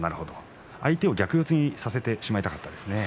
相手を逆四つにさせてしまいたかったですね。